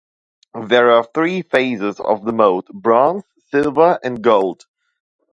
There are three phases of the mode: Bronze, Silver, and Gold.